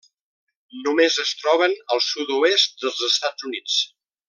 Només es troben al sud-oest dels Estats Units.